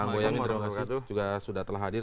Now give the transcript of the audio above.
bang boyamin terima kasih juga sudah telah hadir